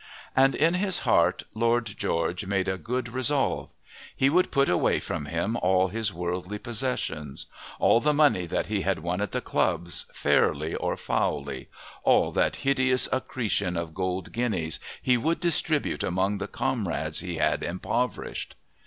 And in his heart Lord George made a good resolve. He would put away from him all his worldly possessions. All the money that he had won at the clubs, fairly or foully, all that hideous accretion of gold guineas, he would distribute among the comrades he had impoverished.